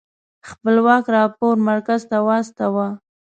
خپلواک راپور مرکز ته واستوه.